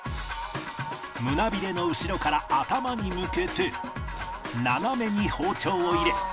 胸びれの後ろから頭に向けて斜めに包丁を入れ中骨を切り